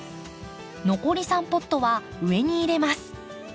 残り３ポットは上に入れます。